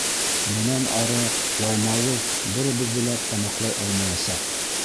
Бынан ары ялмауыҙ беребеҙҙе лә тамаҡлай алмаясаҡ.